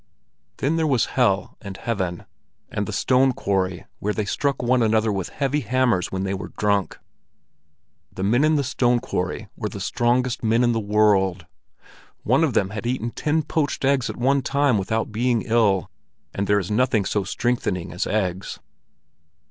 Then there was hell and heaven, and the stone quarry where they struck one another with heavy hammers when they were drunk. The men in the stone quarry were the strongest men in the world. One of them had eaten ten poached eggs at one time without being ill; and there is nothing so strengthening as eggs.